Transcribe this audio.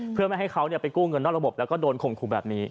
เพื่อไม่ให้เขาไปกู้เงินนอกระบบแล้วก็โดนข่มขู่แบบนี้